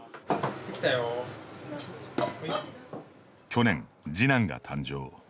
去年、次男が誕生。